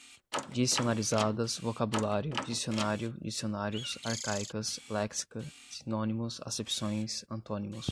dicionarizadas, vocabulário, dicionário, dicionários, arcaicas, léxica, sinônimos, acepções, antônimos